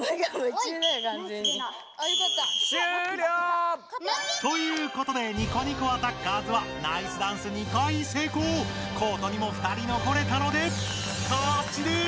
終了！ということでニコニコアタッカーズはナイスダンス２回成功コートにも２人残れたので勝ちです！